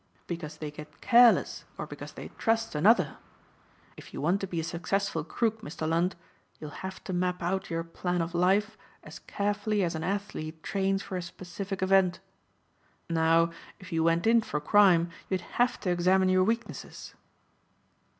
"Because they get careless or because they trust another. If you want to be a successful crook, Mr. Lund, you'll have to map out your plan of life as carefully as an athlete trains for a specific event. Now if you went in for crime you'd have to examine your weaknesses."